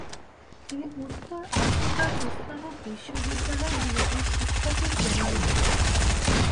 তিনি উত্তর আফ্রিকার ইসলামিক বিশ্ববিদ্যালয়গুলোতে শিক্ষার্থী প্রেরণ করতেন।